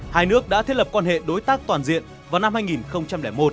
hai nước đã thiết lập quan hệ đối tác toàn diện vào năm hai nghìn một